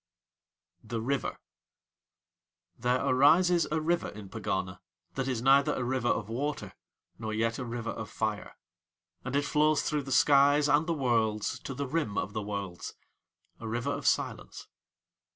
THE RIVER There arises a river in Pegana that is neither a river of water nor yet a river of fire, and it flows through the skies and the Worlds to the Rim of the Worlds, a river of silence.